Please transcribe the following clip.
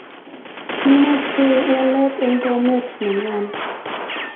kimache walet en bomet nenyon